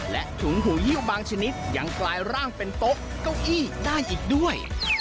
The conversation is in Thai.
และถุงหูยิ้วบางชนิดยังกลายร่างเป็นโต๊ะเก้าอี้ได้อีกด้วย